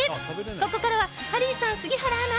ここからはハリーさん、杉原アナ